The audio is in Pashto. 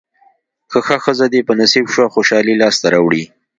که ښه ښځه دې په نصیب شوه خوشالۍ لاسته راوړې.